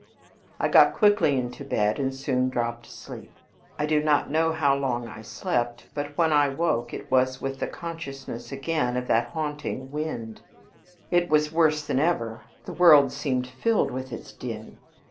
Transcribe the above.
I got quickly into bed, and soon dropped asleep. I do not know how long I slept; but when I woke it was with the consciousness again of that haunting wind. It was worse than ever. The world seemed filled with its din.